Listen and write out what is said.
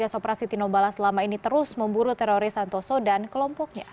kes operasi tino bala selama ini terus memburu teroris santoso dan kelompoknya